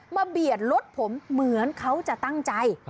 เบียดรถผมเหมือนเขาจะตั้งใจ